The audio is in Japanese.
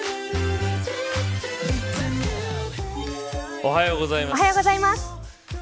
おはようございます。